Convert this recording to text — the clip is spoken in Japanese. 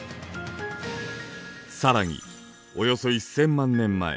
更におよそ１，０００万年前。